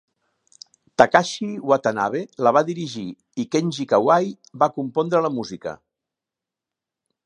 Takashi Watanabe la va dirigir i Kenji Kawai va compondre la música.